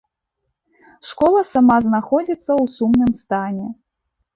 Школа сама знаходзіцца ў сумным стане.